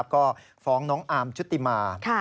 ก็ฟ้องน้องอาร์มชุติมา